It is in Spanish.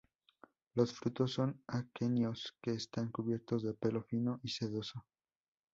Los frutos son aquenios que están cubiertos de pelo fino y sedoso.